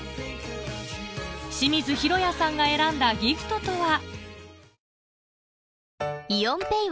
清水尋也さんが選んだギフトとは？